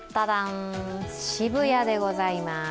渋谷でございます。